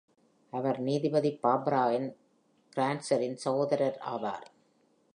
அவர் நீதிபதி Barbara Ann கிரான்சரின் சகோதரர் ஆவார்.